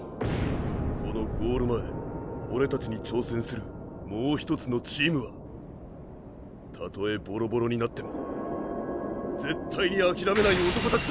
このゴール前オレたちに挑戦するもうひとつのチームはたとえボロボロになっても絶対にあきらめない男たちだ！